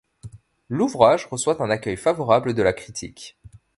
L'ouvrage reçoit un accueil favorable de la critique.